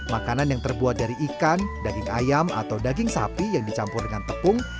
makanan yang terbuat dari ikan daging ayam atau daging sapi yang dicampur dengan tepung